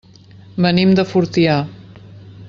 Venim de Fortià.